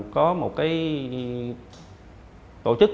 có một cái tổ chức